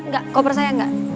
gak koper saya gak